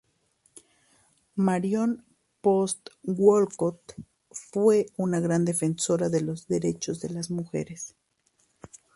Marion Post Wolcott fue una gran defensora de los derechos de las mujeres.